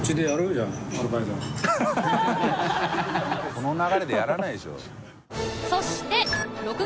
この流れでやらないでしょ。